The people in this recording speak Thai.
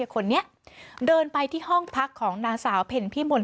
คนนี้เดินไปที่ห้องพักของนางสาวเพ็ญพิมล